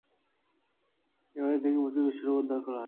এই বাড়ি থেকে প্রচুর বিস্ফোরক উদ্ধার হয়।